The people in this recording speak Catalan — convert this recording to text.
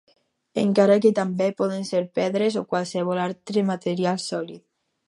Encara que també poden ser pedres o qualsevol altre material sòlid.